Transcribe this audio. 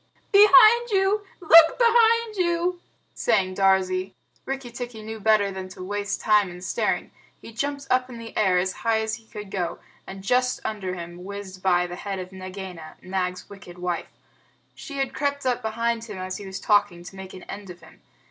"Behind you! Look behind you!" sang Darzee. Rikki tikki knew better than to waste time in staring. He jumped up in the air as high as he could go, and just under him whizzed by the head of Nagaina, Nag's wicked wife. She had crept up behind him as he was talking, to make an end of him.